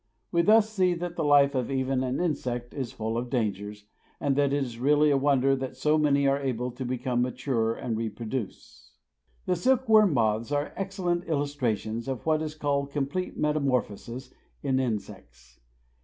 We thus see that the life of even an insect is full of dangers, and that it is really a wonder that so many are able to become mature and reproduce. The silk worm moths are excellent illustrations of what is called complete metamorphosis in insects.